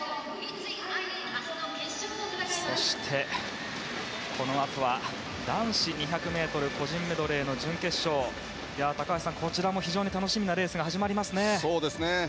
そして、このあとは男子２００ｍ個人メドレー準決勝高橋さん、こちらも非常に楽しみなレースが始まりますね。